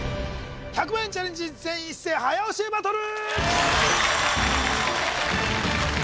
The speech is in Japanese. １００万円チャレンジ全員一斉早押しバトル！